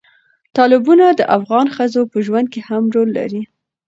تالابونه د افغان ښځو په ژوند کې هم رول لري.